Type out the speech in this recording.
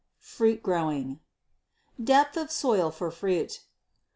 Fruit Growing Depth of Soil for Fruit.